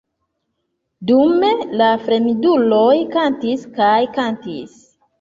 Dume, la fremduloj kantis kaj kantis.